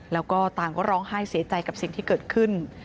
แล้วก็ต่างก็ร้องไห้เสียใจกับสิ่งที่เกิดขึ้น